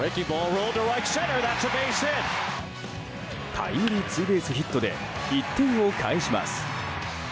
タイムリーツーベースヒットで１点を返します。